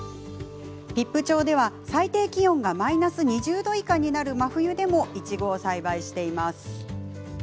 比布町では最低気温がマイナス２０度以下になる真冬でもイチゴを栽培しています。